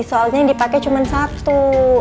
soalnya yang dipakai cuma satu